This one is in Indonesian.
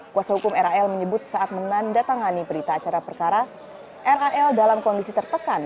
kuasa hukum ral menyebut saat menandatangani berita acara perkara ral dalam kondisi tertekan